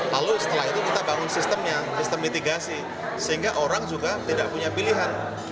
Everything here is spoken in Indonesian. lalu setelah itu kita bangun sistemnya sistem mitigasi sehingga orang juga tidak punya pilihan